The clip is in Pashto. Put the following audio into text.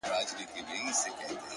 گلاب جانانه ته مي مه هېروه”